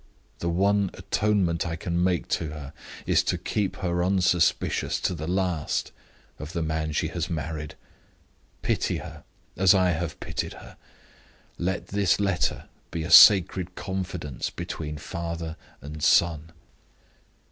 The one atonement I can make to her is to keep her unsuspicious to the last of the man she has married. Pity her, as I have pitied her. Let this letter be a sacred confidence between father and son.